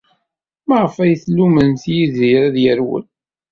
Maɣef ay tullemt Yidir ad yerwel?